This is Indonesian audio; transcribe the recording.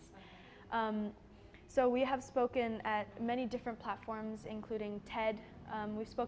kami telah berbicara di beberapa platform yang berbeda termasuk ted